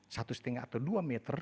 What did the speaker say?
satu setengah atau dua meter